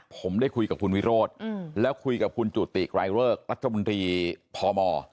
ผมได้คุยกับคุณวิโรธแล้วคุยกับคุณจุติกรายเริกรัฐมนตรีพม